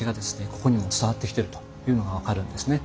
ここにも伝わってきてるというのが分かるんですね。